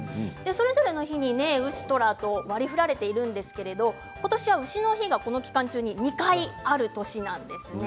それぞれの日に子丑寅割りふられているんですがことしは丑の日がこの期間中に２回あるんですね。